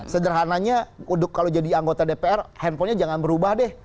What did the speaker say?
sederhananya kalau jadi anggota dpr handphonenya jangan berubah deh